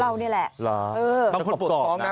แล้วเนี้ยแหละ